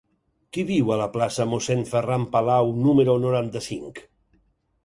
Qui viu a la plaça de Mossèn Ferran Palau número noranta-cinc?